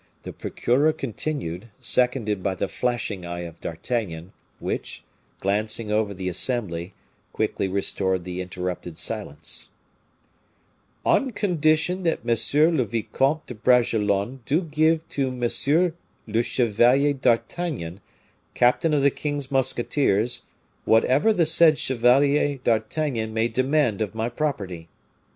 The procureur continued, seconded by the flashing eye of D'Artagnan, which, glancing over the assembly, quickly restored the interrupted silence: "On condition that M. le Vicomte de Bragelonne do give to M. le Chevalier d'Artagnan, captain of the king's musketeers, whatever the said Chevalier d'Artagnan may demand of my property.